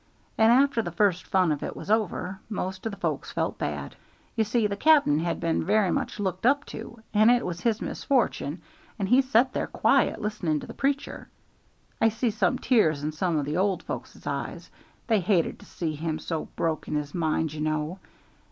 And after the first fun of it was over, most of the folks felt bad. You see, the cap'n had been very much looked up to, and it was his misfortune, and he set there quiet, listening to the preaching. I see some tears in some o' the old folks' eyes: they hated to see him so broke in his mind, you know.